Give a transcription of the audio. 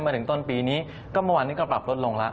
ถึงต้นปีนี้ก็เมื่อวานนี้ก็ปรับลดลงแล้ว